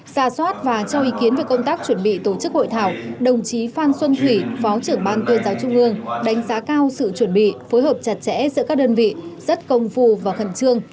xa xoát và cho ý kiến về công tác chuẩn bị tổ chức hội thảo đồng chí phan xuân thủy phó trưởng ban tuyên giáo trung ương đánh giá cao sự chuẩn bị phối hợp chặt chẽ giữa các đơn vị rất công phu và khẩn trương